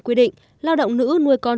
quy định lao động nữ nuôi con